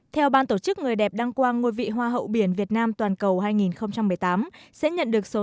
theo ban tổ chức người đẹp đăng quang ngôi vị hoa hậu biển việt nam toàn cầu hai nghìn một mươi tám sẽ nhận được số